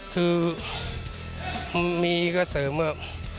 คือมีก็เสริมเมือง